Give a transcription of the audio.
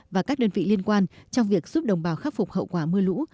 và các đơn vị liên quan trong việc giúp đồng bào khắc phục hậu quả mưa lũ